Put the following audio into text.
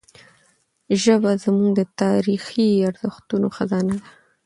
ژبه زموږ د تاریخي ارزښتونو خزانه ده.